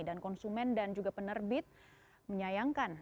dan konsumen dan juga penerbit menyayangkan